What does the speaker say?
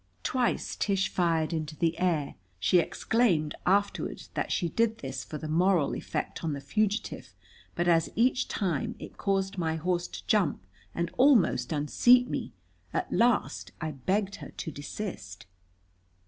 Twice Tish fired into the air. She explained afterward that she did this for the moral effect on the fugitive, but as each time it caused my horse to jump and almost unseat me, at last I begged her to desist.